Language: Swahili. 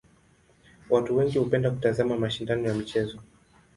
Watu wengi hupenda kutazama mashindano ya michezo.